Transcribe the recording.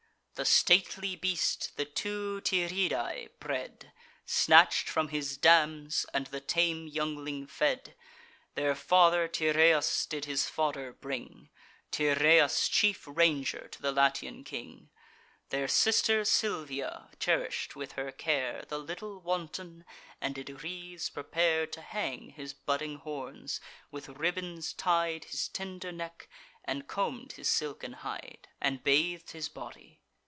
The stately beast the two Tyrrhidae bred, Snatch'd from his dams, and the tame youngling fed. Their father Tyrrheus did his fodder bring, Tyrrheus, chief ranger to the Latian king: Their sister Silvia cherish'd with her care The little wanton, and did wreaths prepare To hang his budding horns, with ribbons tied His tender neck, and comb'd his silken hide, And bathed his body.